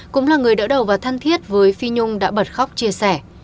cũng là người đỡ đầu và thân thiết với phi nhung đã bật khóc chia sẻ